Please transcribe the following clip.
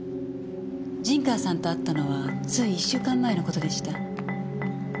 陣川さんと会ったのはつい１週間前の事でした。